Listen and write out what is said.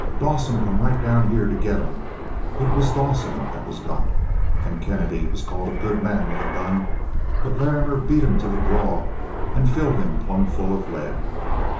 Dawson come right down here to get him; but it was Dawson that was got. And Kennedy was called a good man with a gun but Larrimer beat him to the draw and filled him plumb full of lead."